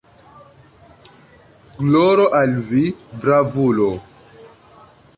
Gloro al vi, bravulo!